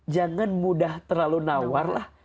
jangan mudah terlalu nawarlah